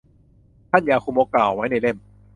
ท่านยาคุโมะกล่าวไว้ในเล่ม